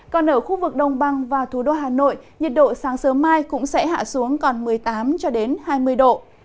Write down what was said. còn ở khu vực đông băng và thủ đô hà nội nhiệt độ sáng sớm mai cũng sẽ hạ xuống còn một mươi tám hai mươi độ